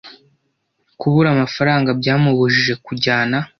Kubura amafaranga byamubujije kujyana.